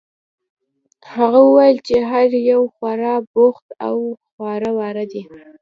هغه وویل چې هر یو خورا بوخت او خواره واره دي.